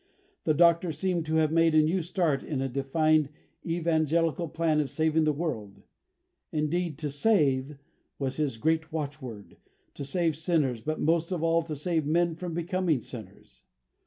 The Doctor seemed to have made a new start in a defined evangelical plan of saving the world. Indeed, to save was his great watchword, to save sinners, but most of all to save men from becoming sinners.